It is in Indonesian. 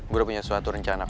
gue udah punya suatu rencana ok